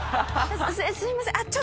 すいません！